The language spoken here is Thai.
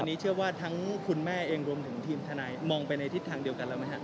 อันนี้เชื่อว่าทั้งคุณแม่เองรวมถึงทีมทนายมองไปในทิศทางเดียวกันแล้วไหมครับ